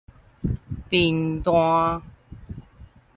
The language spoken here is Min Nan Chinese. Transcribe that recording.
貧惰